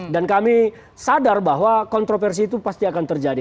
dan kami sadar bahwa kontroversi itu pasti akan terjadi